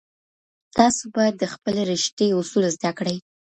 تاسو بايد د خپلې رشتې اصول زده کړئ.